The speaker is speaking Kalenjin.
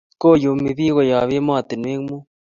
koyumi pik koyab ematinywek mut